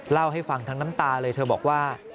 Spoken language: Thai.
เล่าให้ฟังทั้งน้ำตาเลยเธอบอกว่า